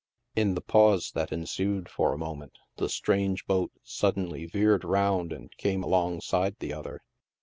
In the pause that ensued for a moment, the strange boat suddenly veered round and came alongside the other.